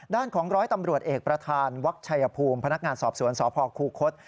ด้านของร้อยตำรวจเอกประธานวักชัยภูมิพนักงานสอบสวนสพคูคศ